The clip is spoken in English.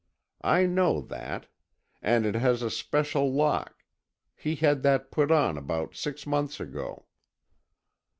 I know that. And it has a special lock. He had that put on about six months ago."